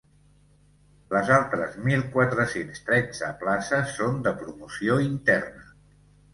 Les altres mil quatre-cents tretze places són de promoció interna.